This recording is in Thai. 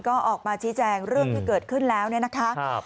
ก็ออกมาชี้แจงเรื่องที่เกิดขึ้นแล้วเนี่ยนะคะ